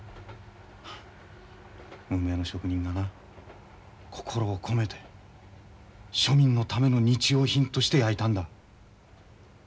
無名の職人がな心を込めて庶民のための日用品として焼いたんだ。